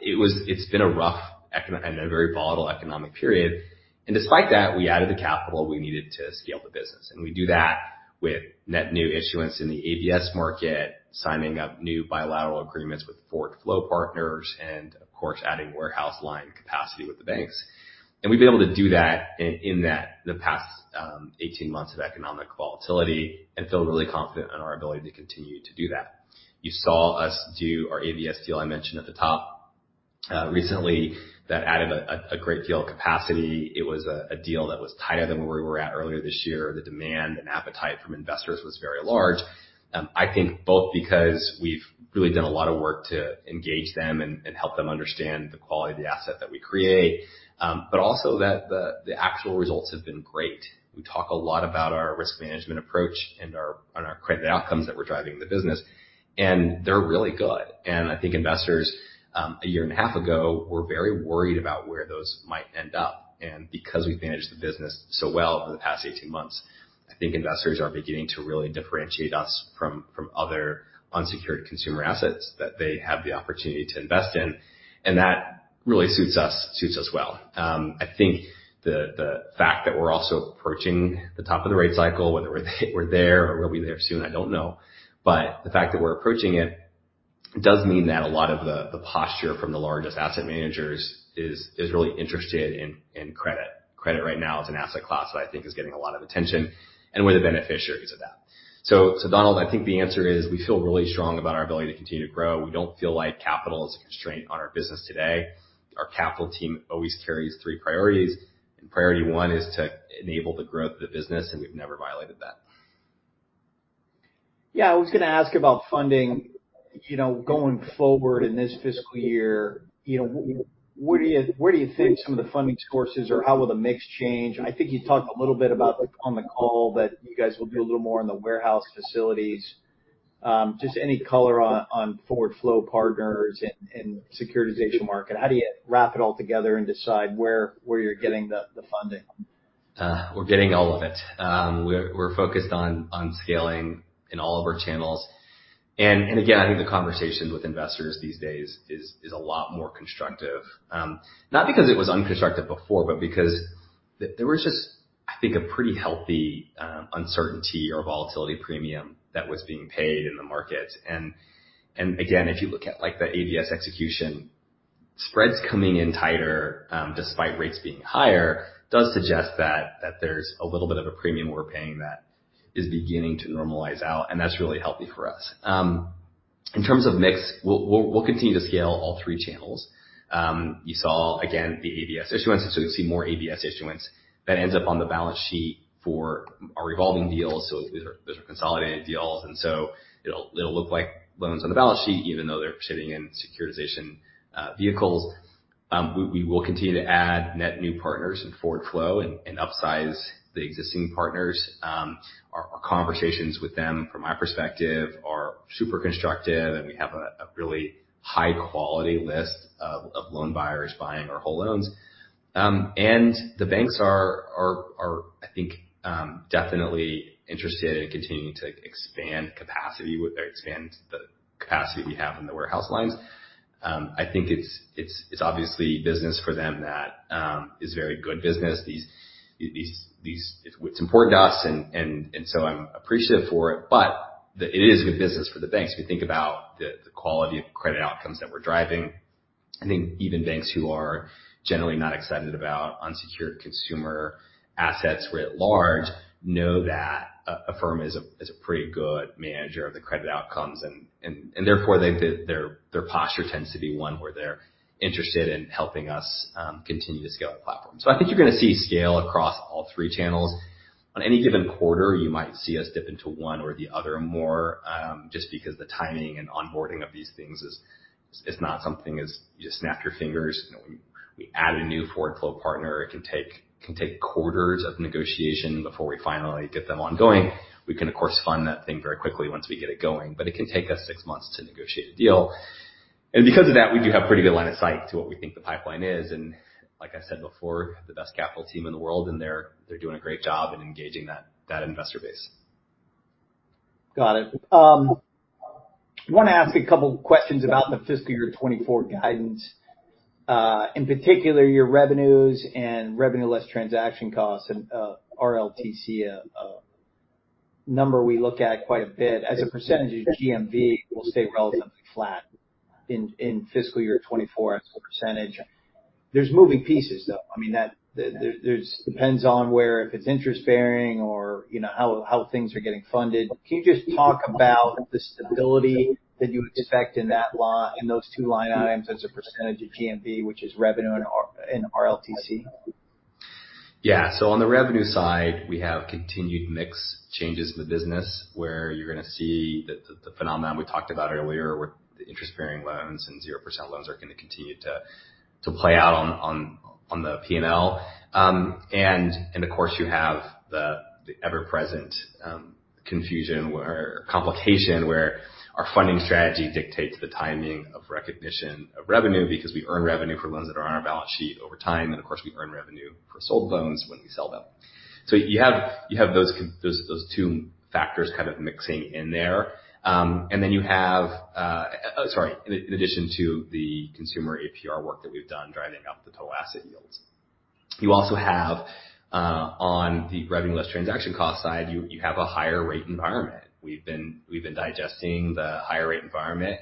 It's been a rough economic and a very volatile economic period, and despite that, we added the capital we needed to scale the business, and we do that with net new issuance in the ABS market, signing up new bilateral agreements with forward flow partners, and of course, adding warehouse line capacity with the banks. We've been able to do that in the past 18 months of economic volatility and feel really confident in our ability to continue to do that. You saw us do our ABS deal I mentioned at the top recently that added a great deal of capacity. It was a deal that was tighter than where we were at earlier this year. The demand and appetite from investors was very large. I think both because we've really done a lot of work to engage them and help them understand the quality of the asset that we create, but also that the actual results have been great. We talk a lot about our risk management approach and our credit outcomes that we're driving the business, and they're really good. I think investors a year and a half ago were very worried about where those might end up. Because we've managed the business so well over the past 18 months, I think investors are beginning to really differentiate us from other unsecured consumer assets that they have the opportunity to invest in. That really suits us well. I think the fact that we're also approaching the top of the rate cycle, whether we're there or we'll be there soon, I don't know. But the fact that we're approaching it does mean that a lot of the posture from the largest asset managers is really interested in credit. Credit right now is an asset class that I think is getting a lot of attention and we're the beneficiaries of that. So, Donald, I think the answer is, we feel really strong about our ability to continue to grow. We don't feel like capital is a constraint on our business today. Our capital team always carries three priorities, and priority one is to enable the growth of the business, and we've never violated that. Yeah. I was gonna ask about funding, you know, going forward in this fiscal year. You know, where do you think some of the funding sources or how will the mix change? I think you talked a little bit about on the call, that you guys will do a little more in the warehouse facilities. Just any color on forward flow partners and securitization market. How do you wrap it all together and decide where you're getting the funding? We're getting all of it. We're focused on scaling in all of our channels. And again, I think the conversation with investors these days is a lot more constructive. Not because it was unconstructive before, but because there was just, I think, a pretty healthy uncertainty or volatility premium that was being paid in the market. And again, if you look at, like, the ABS execution, spreads coming in tighter, despite rates being higher, does suggest that there's a little bit of a premium we're paying that is beginning to normalize out, and that's really healthy for us. In terms of mix, we'll continue to scale all three channels. You saw, again, the ABS issuance, so you'll see more ABS issuance that ends up on the balance sheet for our revolving deals. So these are consolidated deals, and so it'll look like loans on the balance sheet, even though they're sitting in securitization vehicles. We will continue to add net new partners in forward flow and upsize the existing partners. Our conversations with them, from my perspective, are super constructive, and we have a really high quality list of loan buyers buying our whole loans. And the banks are, I think, definitely interested in continuing to expand capacity with or expand the capacity we have in the warehouse lines. I think it's obviously business for them that is very good business. It's important to us, and so I'm appreciative for it, but it is good business for the banks. If you think about the quality of credit outcomes that we're driving, I think even banks who are generally not excited about unsecured consumer assets writ large know that Affirm is a pretty good manager of the credit outcomes, and therefore their posture tends to be one where they're interested in helping us continue to scale the platform. So I think you're gonna see scale across all three channels. On any given quarter, you might see us dip into one or the other more just because the timing and onboarding of these things is not something you just snap your fingers. You know, we add a new forward flow partner; it can take quarters of negotiation before we finally get them ongoing. We can, of course, fund that thing very quickly once we get it going, but it can take us six months to negotiate a deal. Because of that, we do have pretty good line of sight to what we think the pipeline is, and like I said before, the best capital team in the world, and they're doing a great job in engaging that investor base. Got it. I want to ask a couple questions about the fiscal year 2024 guidance. In particular, your revenues and revenue less transaction costs and RLTC number we look at quite a bit as a percentage of GMV will stay relatively flat in fiscal year 2024, as a percentage. There's moving pieces, though. I mean, there it depends on where, if it's interest bearing or, you know, how things are getting funded. Can you just talk about the stability that you expect in those two line items as a percentage of GMV, which is revenue and RLTC? Yeah. So on the revenue side, we have continued mix changes in the business, where you're gonna see the phenomenon we talked about earlier, where the interest-bearing loans and 0% loans are gonna continue to play out on the P&L. And of course, you have the ever-present confusion or complication, where our funding strategy dictates the timing of recognition of revenue, because we earn revenue for loans that are on our balance sheet over time, and of course, we earn revenue for sold loans when we sell them. So you have those two factors kind of mixing in there. Sorry, in addition to the consumer APR work that we've done, driving up the total asset yields. You also have on the revenue less transaction cost side, you have a higher rate environment. We've been digesting the higher rate environment,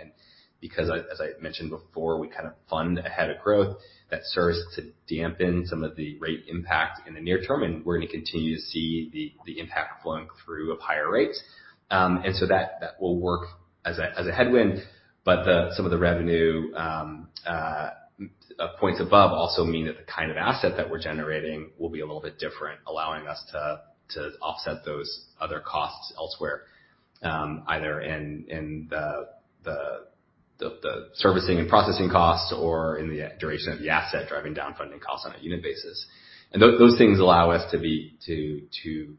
because as I mentioned before, we kind of fund ahead of growth. That starts to dampen some of the rate impact in the near term, and we're going to continue to see the impact flowing through of higher rates. And so that will work as a headwind, but some of the revenue points above also mean that the kind of asset that we're generating will be a little bit different, allowing us to offset those other costs elsewhere, either in the servicing and processing costs or in the duration of the asset, driving down funding costs on a unit basis. And those things allow us to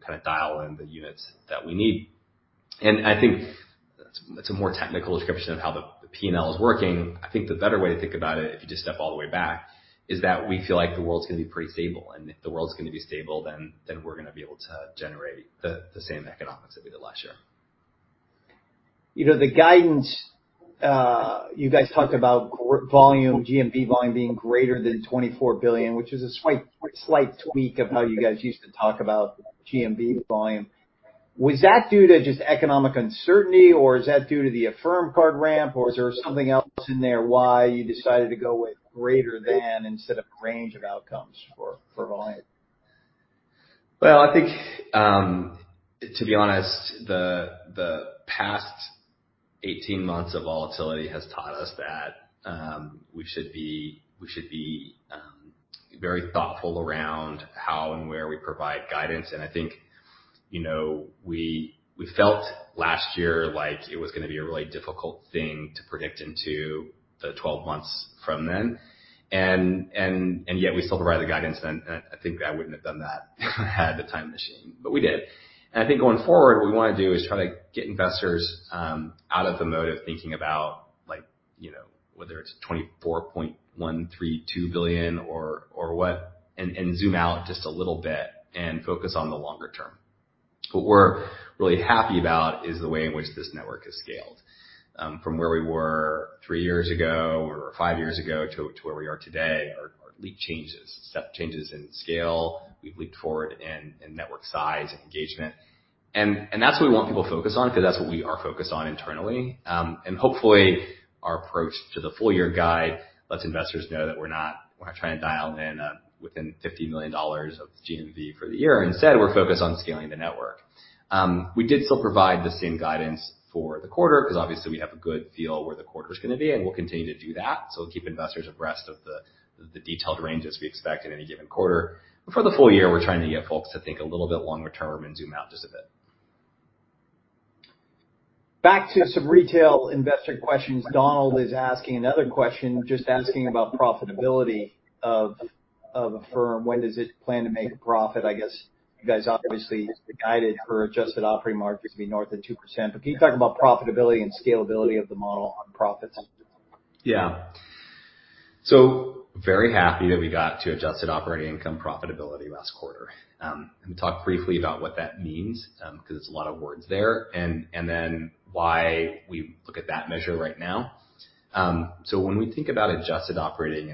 kind of dial in the units that we need. And I think that's a more technical description of how the P&L is working. I think the better way to think about it, if you just step all the way back, is that we feel like the world's going to be pretty stable. And if the world's going to be stable, then we're going to be able to generate the same economics that we did last year. You know, the guidance, you guys talked about GMV volume being greater than $24 billion, which is a slight, slight tweak of how you guys used to talk about GMV volume. Was that due to just economic uncertainty, or is that due to the Affirm Card ramp, or is there something else in there why you decided to go with greater than instead of range of outcomes for, for volume? Well, I think, to be honest, the, the past 18 months of volatility has taught us that, we should be, we should be, very thoughtful around how and where we provide guidance. And I think, you know, we, we felt last year like it was going to be a really difficult thing to predict into the 12 months from then, and, and, and yet we still provided the guidance, and, and I think I wouldn't have done that had the time machine, but we did. And I think going forward, what we want to do is try to get investors, out of the mode of thinking about like, you know, whether it's $24.132 billion or, or what, and, and zoom out just a little bit and focus on the longer term. What we're really happy about is the way in which this network has scaled. From where we were three years ago or five years ago to where we are today are leap changes, step changes in scale. We've leaped forward in network size and engagement. And that's what we want people to focus on, because that's what we are focused on internally. And hopefully, our approach to the full year guide lets investors know that we're not trying to dial in within $50 million of GMV for the year. Instead, we're focused on scaling the network. We did still provide the same guidance for the quarter, because obviously, we have a good feel where the quarter is going to be, and we'll continue to do that. So we'll keep investors abreast of the detailed ranges we expect in any given quarter. But for the full year, we're trying to get folks to think a little bit longer term and zoom out just a bit. Back to some retail investor questions. Donald is asking another question, just asking about profitability of Affirm. When does it plan to make a profit? I guess you guys obviously guided for adjusted operating margins to be north of 2%. But can you talk about profitability and scalability of the model on profits? Yeah. So very happy that we got to adjusted operating income profitability last quarter. Let me talk briefly about what that means, because it's a lot of words there, and then why we look at that measure right now. So when we think about adjusted operating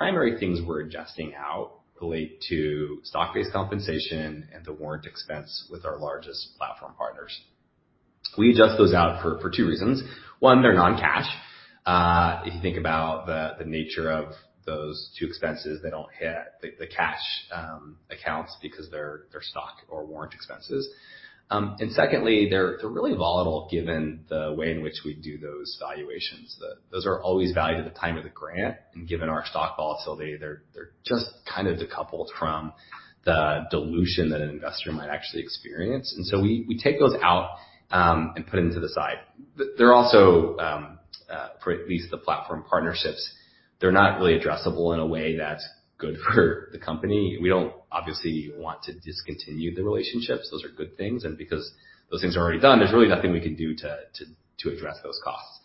income, the primary things we're adjusting out relate to stock-based compensation and the warrant expense with our largest platform partners. We adjust those out for two reasons: One, they're non-cash. If you think about the nature of those two expenses, they don't hit the cash accounts because they're stock or warrant expenses. And secondly, they're really volatile, given the way in which we do those valuations. Those are always valued at the time of the grant, and given our stock volatility, they're just kind of decoupled from the dilution that an investor might actually experience. And so we take those out and put them to the side. They're also, for at least the platform partnerships, not really addressable in a way that's good for the company. We don't obviously want to discontinue the relationships. Those are good things, and because those things are already done, there's really nothing we can do to address those costs.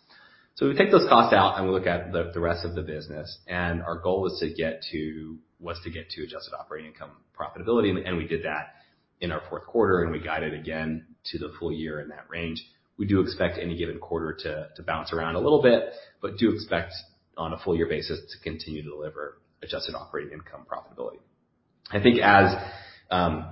So we take those costs out and we look at the rest of the business, and our goal is to get to... was to get to adjusted operating income profitability, and we did that in our fourth quarter, and we guided again to the full year in that range. We do expect any given quarter to bounce around a little bit, but do expect on a full year basis to continue to deliver adjusted operating income profitability. I think as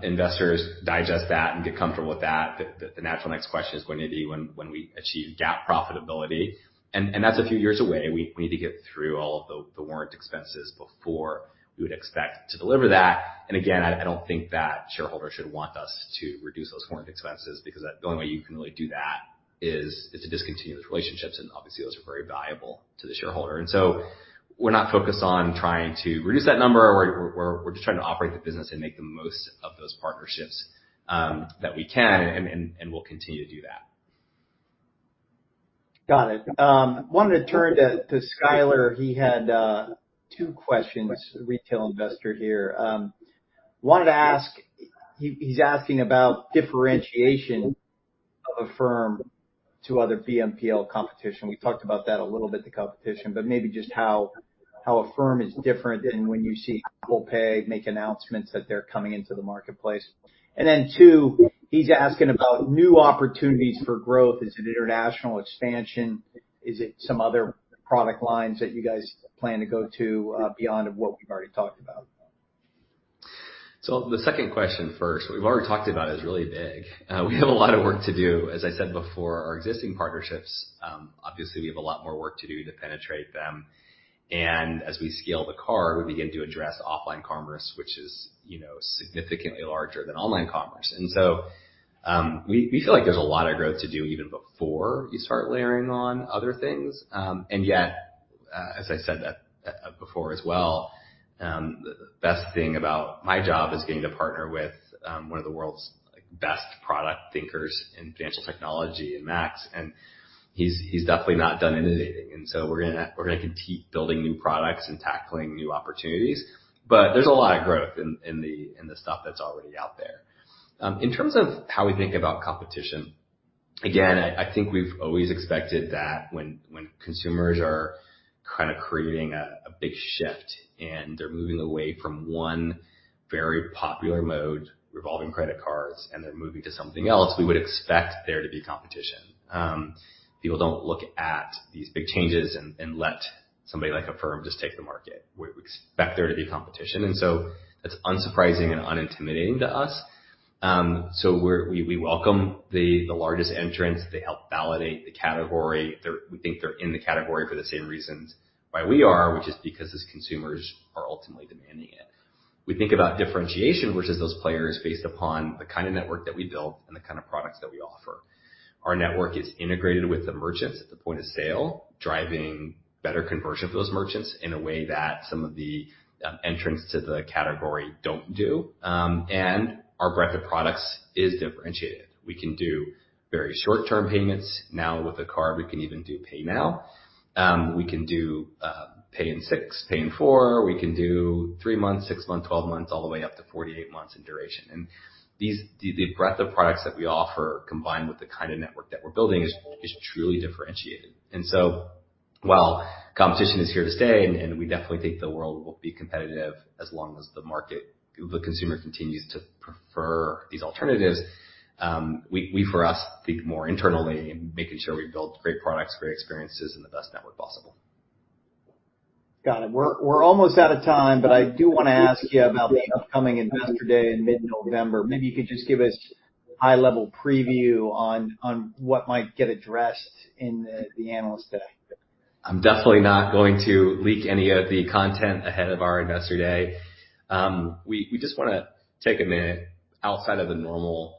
investors digest that and get comfortable with that, the natural next question is going to be when we achieve GAAP profitability, and that's a few years away. We need to get through all of the warrant expenses before we would expect to deliver that. And again, I don't think that shareholders should want us to reduce those warrant expenses, because the only way you can really do that is to discontinue those relationships, and obviously, those are very valuable to the shareholder. And so we're not focused on trying to reduce that number. We're just trying to operate the business and make the most of those partnerships that we can, and we'll continue to do that. Got it. Wanted to turn to, to Skyler. He had two questions, a retail investor here. Wanted to ask. He, he's asking about differentiation of Affirm to other BNPL competition. We talked about that a little bit, the competition, but maybe just how, how Affirm is different than when you see Apple Pay make announcements that they're coming into the marketplace. And then, two, he's asking about new opportunities for growth. Is it international expansion? Is it some other product lines that you guys plan to go to, beyond what we've already talked about? So the second question first. What we've already talked about is really big. We have a lot of work to do. As I said before, our existing partnerships obviously, we have a lot more work to do to penetrate them. And as we scale the card, we begin to address offline commerce, which is, you know, significantly larger than online commerce. And so, we feel like there's a lot of growth to do even before you start layering on other things. And yet, as I said before as well, the best thing about my job is getting to partner with one of the world's, like, best product thinkers in financial technology in Max, and he's definitely not done innovating. And so we're gonna keep building new products and tackling new opportunities. But there's a lot of growth in the stuff that's already out there. In terms of how we think about competition, again, I think we've always expected that when consumers are kind of creating a big shift, and they're moving away from one very popular mode, revolving credit cards, and they're moving to something else, we would expect there to be competition. People don't look at these big changes and let somebody like Affirm just take the market. We expect there to be competition, and so that's unsurprising and unintimidating to us. So we welcome the largest entrants. They help validate the category. They're in the category for the same reasons why we are, which is because its consumers are ultimately demanding it. We think about differentiation versus those players based upon the kind of network that we built and the kind of products that we offer. Our network is integrated with the merchants at the point of sale, driving better conversion for those merchants in a way that some of the entrants to the category don't do. Our breadth of products is differentiated. We can do very short-term payments. Now, with a card, we can even do Pay Now. We can do pay in 6, Pay in 4. We can do three months, six months, 12 months, all the way up to 48 months in duration. The breadth of products that we offer, combined with the kind of network that we're building, is truly differentiated. And so, while competition is here to stay, and we definitely think the world will be competitive as long as the market, the consumer continues to prefer these alternatives, we, for us, think more internally in making sure we build great products, great experiences, and the best network possible. Got it. We're almost out of time, but I do wanna ask you about the upcoming Investor Day in mid-November. Maybe you could just give us a high-level preview on what might get addressed in the Analyst Day. I'm definitely not going to leak any of the content ahead of our Investor Day. We just wanna take a minute outside of the normal,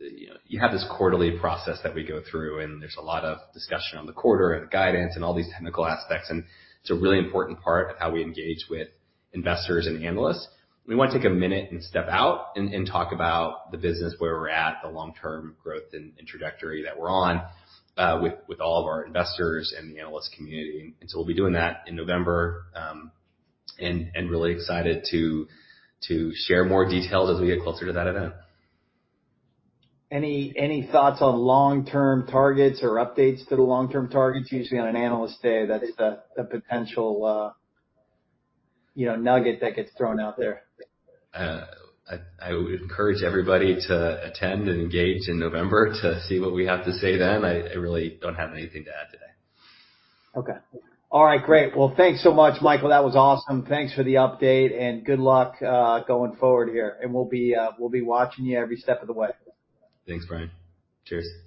you know, you have this quarterly process that we go through, and there's a lot of discussion on the quarter and the guidance and all these technical aspects, and it's a really important part of how we engage with investors and analysts. We want to take a minute and step out and talk about the business, where we're at, the long-term growth and trajectory that we're on, with all of our investors and the analyst community. And so we'll be doing that in November, and really excited to share more details as we get closer to that event. Any thoughts on long-term targets or updates to the long-term targets? Usually, on an Analyst Day, that's the potential, you know, nugget that gets thrown out there. I would encourage everybody to attend and engage in November to see what we have to say then. I really don't have anything to add today. Okay. All right, great. Well, thanks so much, Michael. That was awesome. Thanks for the update, and good luck going forward here, and we'll be watching you every step of the way. Thanks, Bryan. Cheers.